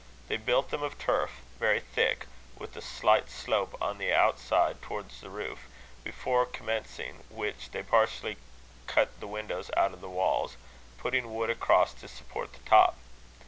They built them of turf, very thick, with a slight slope on the outside towards the roof; before commencing which, they partially cut the windows out of the walls, putting wood across to support the top.